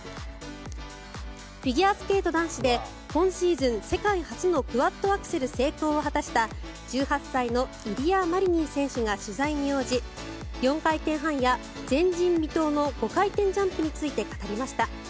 フィギュアスケート男子で今シーズン世界初のクアッドアクセル成功を果たした１８歳のイリア・マリニン選手が取材に応じ４回転半や、前人未到の５回転ジャンプについて語りました。